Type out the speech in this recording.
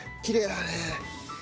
きれいだね。